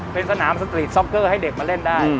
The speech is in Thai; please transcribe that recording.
เป็นสนามสตรีทซ็อกเกอร์ให้เด็กมาเล่นได้